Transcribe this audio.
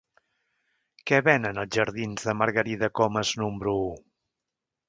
Què venen als jardins de Margarida Comas número u?